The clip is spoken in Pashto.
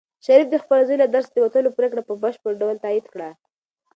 شریف د خپل زوی له درسه د وتلو پرېکړه په بشپړ ډول تایید کړه.